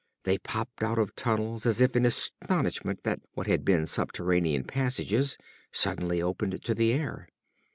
They popped out of tunnels as if in astonishment that what had been subterranean passages suddenly opened to the air.